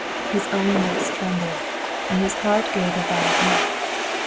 His own lips trembled, and his heart gave a wild leap.